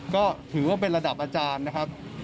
ก็ถือว่าเป็นระดับอาจารย์นะครับ